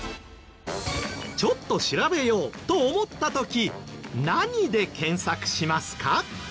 ちょっと調べようと思った時何で検索しますか？